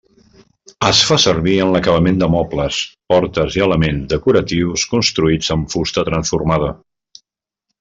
Es fa servir en l'acabament de mobles, portes i elements decoratius construïts amb fusta transformada.